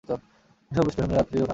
এসব স্টেশনে যাত্রীরা ওঠানামা করেন।